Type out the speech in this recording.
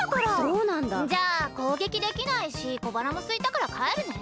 そうなんだ。じゃあこうげきできないしこばらもすいたからかえるね。